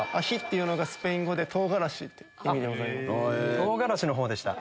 唐辛子の方でした。